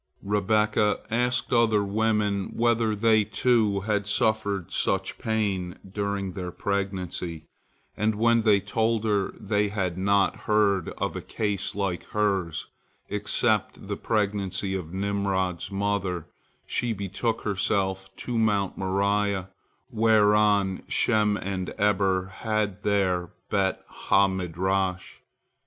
Rebekah asked other women whether they, too, had suffered such pain during their pregnancy, and when they told her they had not heard of a case like hers, except the pregnancy of Nimrod's mother, she betook herself to Mount Moriah, whereon Shem and Eber had their Bet ha Midrash.